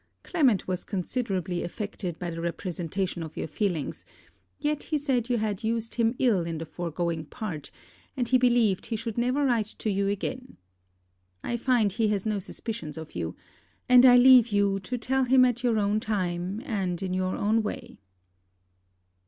Clement was considerably affected by the representation of your feelings; yet he said you had used him ill in the foregoing part, and he believed he should never write to you again. I find he has no suspicions of you; and I leave you to tell him at your own time, and in your own way.